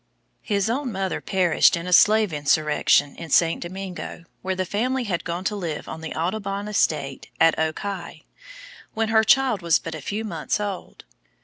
His own mother perished in a slave insurrection in St. Domingo, where the family had gone to live on the Audubon estate at Aux Cayes, when her child was but a few months old.